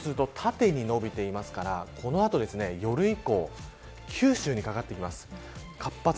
そうすると縦に伸びていますからこの後、夜以降九州にかかってきます。